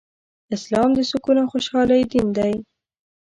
اسلام د سکون او خوشحالۍ دين دی